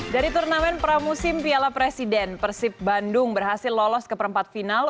dari turnamen pramusim piala presiden persib bandung berhasil lolos ke perempat final